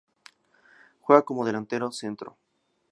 Juega como delantero centro.